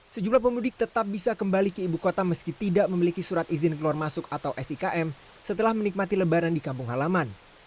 sejumlah pemudik tetap bisa kembali ke ibu kota meski tidak memiliki surat izin keluar masuk atau sikm setelah menikmati lebaran di kampung halaman